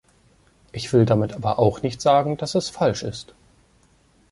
Ich will damit aber auch nicht sagen, dass es falsch ist.